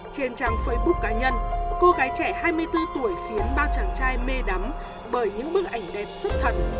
trên trang facebook cá nhân cô gái trẻ hai mươi bốn tuổi khiến bao chàng trai mê đắm bởi những bức ảnh đẹp xúc thần